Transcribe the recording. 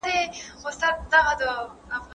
سياسي اصطلاحات بايد په رښتني مانا سره وکارول سي.